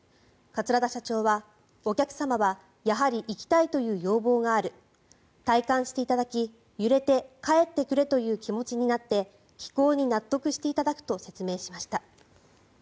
桂田社長は、お客様はやはり行きたいという要望がある体感していただき、揺れて帰ってくれという気持ちになって帰航に納得していただくと説明していました。